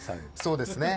そうですね。